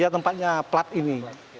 ya tempatnya plat ini